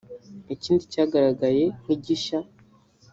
Ikindi cyagaragaye nk’igishya